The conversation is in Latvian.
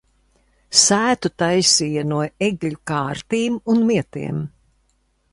Sētu taisīja no egļu kārtīm un mietiem.